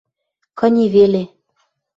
кыни веле.